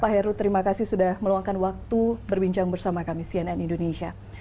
pak heru terima kasih sudah meluangkan waktu berbincang bersama kami cnn indonesia